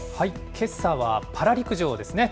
けさはパラ陸上ですね。